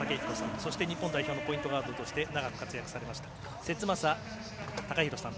そして日本代表のポイントガードとして長く活躍されました節政貴弘さん。